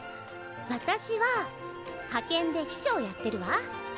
私は派遣で秘書をやってるわ。